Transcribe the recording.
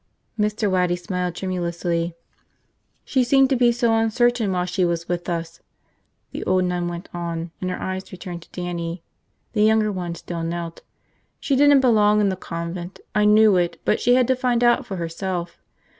Mr. Waddy smiled tremulously. "She seemed to be so uncertain while she was with us," the old nun went on, and her eyes returned to Dannie. The younger one still knelt. "She didn't belong in the convent. I knew it, but she had to find out for herself.